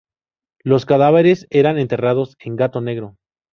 Los cadáveres eran enterrados en Gato Negro.